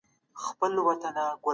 ویل یې ولي